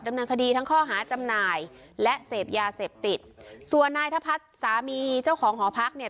ดำเนินคดีทั้งข้อหาจำหน่ายและเสพยาเสพติดส่วนนายธพัฒน์สามีเจ้าของหอพักเนี่ย